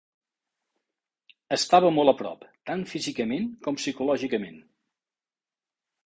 Estava molt a prop, tant físicament com psicològicament.